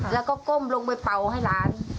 แล้วก็ก้มลงไปเป่าให้ร้าน